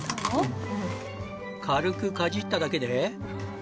軽くかじっただけで。